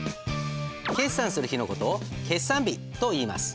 決算する日の事を決算日といいます。